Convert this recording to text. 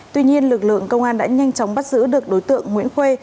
tuy nhiên lực lượng công an đã nhanh chóng bắt giữ được đối tượng nguyễn khuê